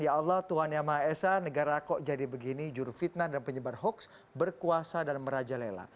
ya allah tuhan yang maha esa negara kok jadi begini juru fitnah dan penyebar hoax berkuasa dan merajalela